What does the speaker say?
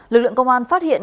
lực lượng công an phát hiện